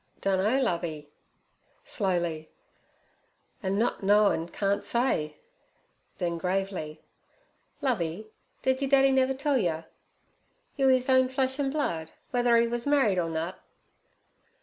'Dunno, Lovey' slowly, 'an' nut knowin' can't say.' Then gravely, 'Lovey, did yer daddy never tell yer, you 'e's own flesh an' blood, w'ether 'e was married or nut?'